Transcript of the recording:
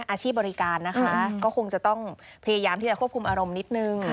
อาชีพบริการนะคะก็คงจะต้องพยายามที่จะควบคุมอารมณ์นิดนึง